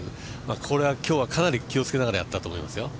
これはかなり気をつけながらやったと思いますよ。